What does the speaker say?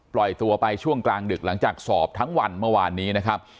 ปล่อยตัวไปช่วงกลางดึกหลังจากสอบทั้งวันเมื่อวานนี้นะครับ